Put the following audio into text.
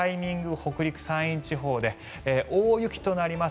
北陸・山陰地方で大雪となります。